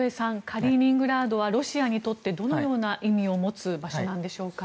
カリーニングラードはロシアにとってどのような意味を持つ場所なのでしょうか。